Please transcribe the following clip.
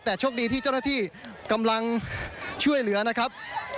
แต่โชคดีที่เจ้าหน้าที่กำลังช่วยเหลือนะครับ